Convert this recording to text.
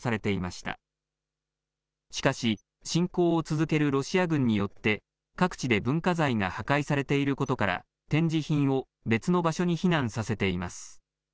しかし侵攻を続けるロシア軍によって各地で文化財が破壊されていることから展示品を別の場所に避難させています。